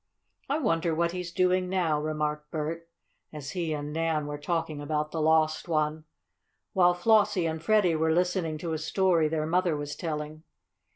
"I wonder what he's doing now," remarked Bert, as he and Nan were talking about the lost one, while Flossie and Freddie were listening to a story their mother was telling.